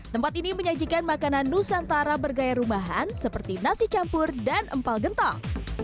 tempat ini menyajikan makanan nusantara bergaya rumahan seperti nasi campur dan empal gentong